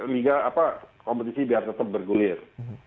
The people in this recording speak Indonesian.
liga apa kompetisi biar tetap bergulir